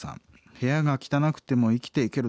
「部屋が汚くても生きていける。